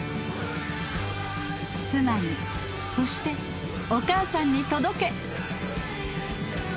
妻にそしてお母さんに届け。